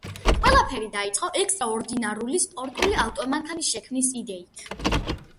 ყველაფერი დაიწყო ექსტრაორდინარული სპორტული ავტომანქანის შექმნის იდეით.